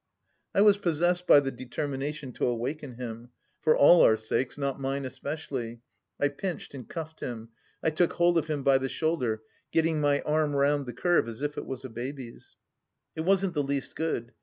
I was possessed by the determination to awaken him, for all our sakes — ^not mine especially. I pinched and cuffed him. I took hold of him by the shoulder, getting my arm round the curve as it it was a baby's. It wasn't the least good.